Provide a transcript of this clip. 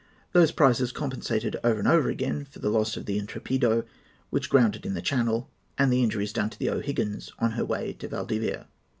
Those prizes compensated over and over again for the loss of the Intrepido, which grounded in the channel, and the injuries done to the O'Higgins on her way to Valdivia.